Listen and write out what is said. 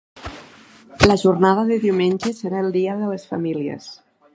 La jornada de diumenge serà el dia de les famílies.